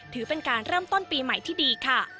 ถือเป็นการเริ่มต้นปีใหม่ที่ดีค่ะ